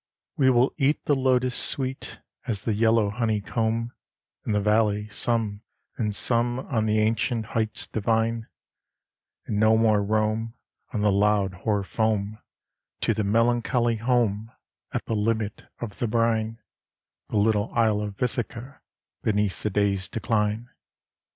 We will eat the Lotos, sweet As the yellow honeycomb, In the valley some, and some On the ancient heights divine; And no more roam, On the loud hoar foam, To the melancholy home At the limit of the brine, The little isle of Ithaca, beneath the day's decline.